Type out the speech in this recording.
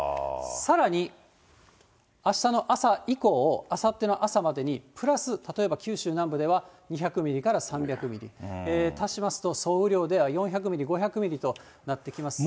さらに、あしたの朝以降、あさっての朝までに、プラス、例えば九州南部では２００ミリから３００ミリ、足しますと、総雨量では４００ミリ、５００ミリとなってきます。